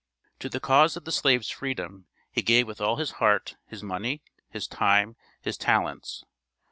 To the cause of the slave's freedom he gave with all his heart his money, his time, his talents.